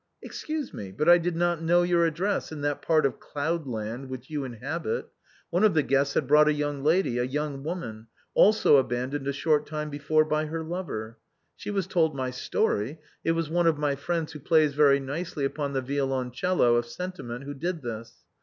" Excuse me, but I did not know your address in that part of cloudland which you inhabit. One of the guests had brought a young lady, a young woman, also abandoned a short time before by her lover. She was told my story ; it was one of my friends who plays very nicely upon the violoncello of sentiment who did this.